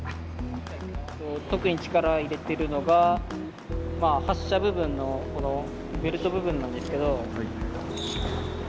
特に力入れてるのが発射部分のこのベルト部分なんですけど。